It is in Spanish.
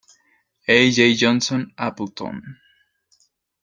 A. J. Johnson; Appleton.